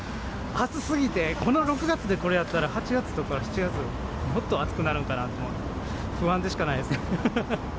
暑すぎて、この６月でこれだったら、８月とか７月、もっと暑くなるんかなと思って、不安でしかないです。